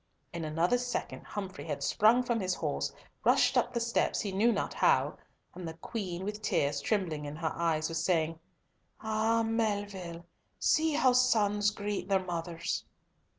In another second Humfrey had sprung from his horse, rushed up the steps, he knew not how, and the Queen, with tears trembling in her eyes was saying, "Ah, Melville! see how sons meet their mothers!"